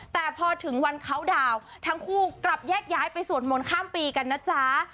แต่พอถึงวันเขาดาวน์ทั้งคู่กลับแยกย้ายไปสวดมนต์ข้ามปีกันนะจ๊ะ